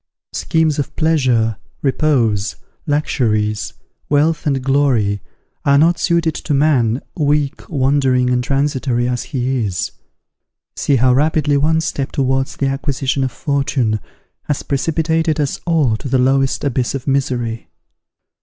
Schemes of pleasure, repose, luxuries, wealth, and glory are not suited to man, weak, wandering, and transitory as he is. See how rapidly one step towards the acquisition of fortune has precipitated us all to the lowest abyss of misery!